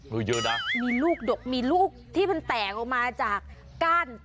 เยอะนะมีลูกดกมีลูกที่มันแตกออกมาจากก้าน